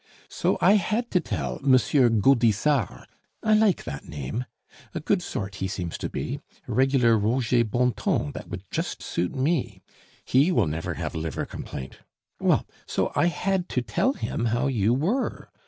So I had to tell M. Gaudissart (I like that name), a good sort he seems to be, a regular Roger Bontemps that would just suit me. He will never have liver complaint! Well, so I had to tell him how you were.